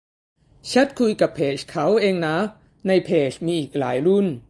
แชตคุยกับเพจเขาเองนะ ในเพจมีอีกหลายรุ่น